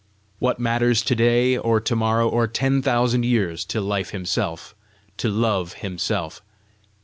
What matters to day, or to morrow, or ten thousand years to Life himself, to Love himself!